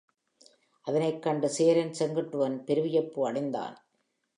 அதனைக் கண்டு சேரன் செங்குட்டுவன் பெருவியப்பு அடைந்தான்.